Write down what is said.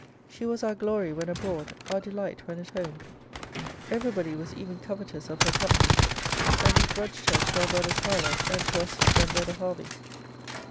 She was our glory when abroad, our delight when at home. Every body was even covetous of her company; and we grudged her to our brothers Harlowe, and to our sister and brother Hervey.